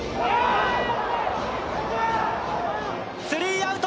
スリーアウト。